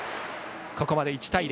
ここまで１対０。